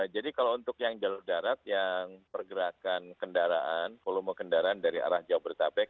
jadi kalau untuk yang jalur darat yang pergerakan kendaraan kolom kendaraan dari arah jawa berita pek